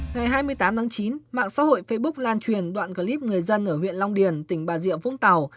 ngày hai mươi tám chín mạng xã hội facebook lan truyền đoạn clip người dân ở huyện long điền tỉnh bà diệm phúc tàu